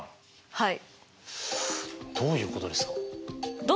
はい。